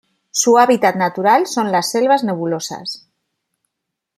Su hábitat natural son las selvas nebulosas.